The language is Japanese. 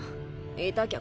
いたきゃ